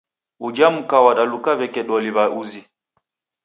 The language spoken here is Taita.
Ujha mka wadaluka w'eke doli w'a uzi